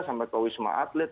sampai ke wisma atlet